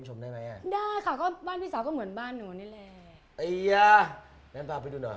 หนูนอนนิ่นนมากนอนกับหนูไม่ได้